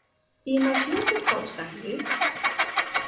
¿Imashnata kawsanki?